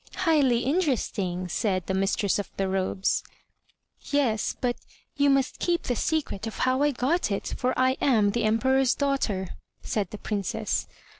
Highly interesting," said the mistress of the robes. Yes, but you must keep the secret of how I got it, for I am the Emperor's daughter/' said the Princess.